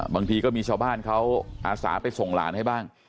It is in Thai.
บางทีก็มีชาวบ้านเขาอาสาไปส่งหลานให้บ้าง